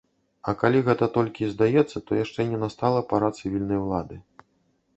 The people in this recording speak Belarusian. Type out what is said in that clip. А калі гэта толькі і здаецца, то яшчэ не настала пара цывільнай улады.